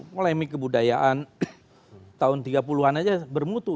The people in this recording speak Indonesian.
polemik kebudayaan tahun tiga puluh an aja bermutu